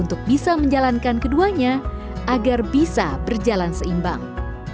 untuk bisa menjalankan keduanya agar bisa berjalan seimbang